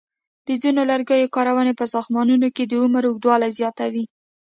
د ځینو لرګیو کارونې په ساختمانونو کې د عمر اوږدوالی زیاتوي.